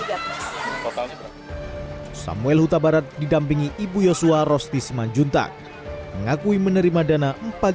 tiga belas yang tiga belas samwell huta barat didampingi ibu yosua rosti semanjuntak mengakui menerima dana